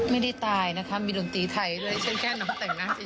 ไม่ได้ตายนะคะมีดนตรีไทยด้วยเช่นแค่น้องแต่งหน้า